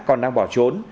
còn đang bỏ trốn